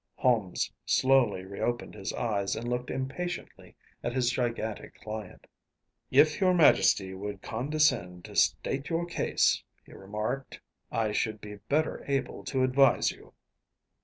Holmes slowly reopened his eyes and looked impatiently at his gigantic client. “If your Majesty would condescend to state your case,‚ÄĚ he remarked, “I should be better able to advise you.